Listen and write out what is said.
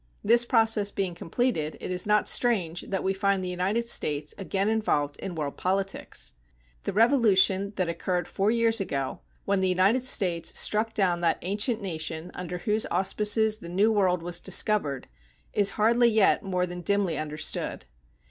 This process being completed, it is not strange that we find the United States again involved in world politics. The revolution that occurred four years ago, when the United States struck down that ancient nation under whose auspices the New World was discovered, is hardly yet more than dimly understood.